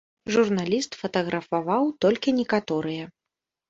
Журналіст фатаграфаваў толькі некаторыя.